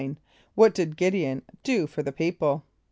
= What did [=G][)i]d´e on do for the people?